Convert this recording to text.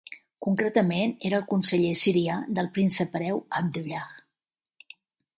Concretament, era el conseller sirià del príncep hereu Abdullah.